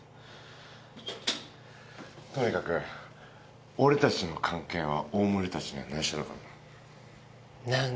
とにかく俺たちの関係は大森たちにはないしょだからな。